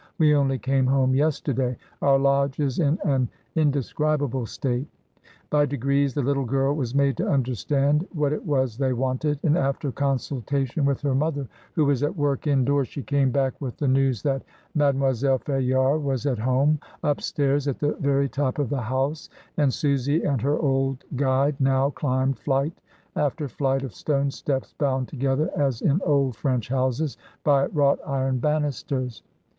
We only came home yesterday. Our lodge is in an inde scribable state.*' By degrees the little girl was made to understand what it was they wanted, and after consultation with her mother, who was at work in doors, she came back with the news that Made moiselle Fayard was at home, upstairs at the very top of the house, and Susy and her old guide now climbed flight after flight of stone steps, bound to gether, as in old French houses, by wrought iron banisters.